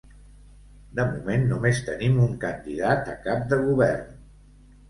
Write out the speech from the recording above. De moment només tenim un candidat a cap de Govern.